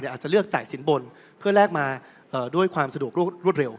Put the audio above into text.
อาจจะเลือกจ่ายสินบนเพื่อแลกมาด้วยความสะดวกรวดเร็ว